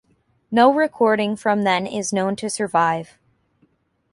No recording from then is known to survive.